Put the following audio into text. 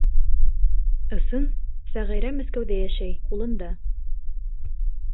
Ысын Сәғирә Мәскәүҙә йәшәй, улында.